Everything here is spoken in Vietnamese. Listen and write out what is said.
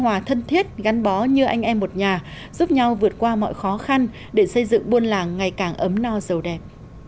hòa thân thiết gắn bó như anh em một nhà giúp nhau vượt qua mọi khó khăn để xây dựng buôn làng ngày càng ấm no dầu đẹp